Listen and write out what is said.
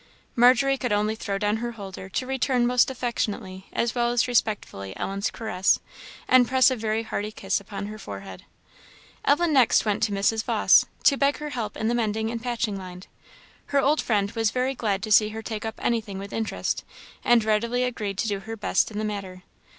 Margery could only throw down her holder to return most affectionately as well as respectfully Ellen's caress, and press a very hearty kiss upon her forehead. Ellen next went to Mrs. Vawse, to beg her help in the mending and patching line. Her old friend was very glad to see her take up anything with interest, and readily agreed to do her best in the matter.